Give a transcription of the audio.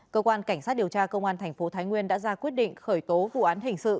cơ quan cảnh sát điều tra công an thành phố thái nguyên đã ra quyết định khởi tố vụ án hình sự